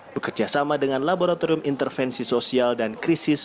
bekerjasama dengan laboratorium intervensi sosial dan krisis